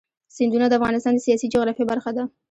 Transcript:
سیندونه د افغانستان د سیاسي جغرافیه برخه ده.